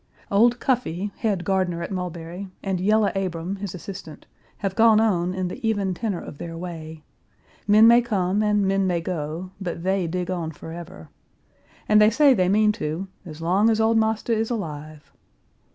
Old Cuffey, head gardener at Mulberry, and Yellow Abram, his assistant, have gone on in the even tenor of their way. Men may come and men may go, but they dig on forever. And they say they mean to "as long as old master is alive."